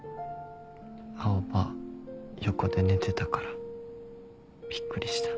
青羽横で寝てたからびっくりした。